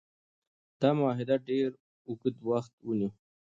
دا معاهده ډیر اوږد وخت ونیو.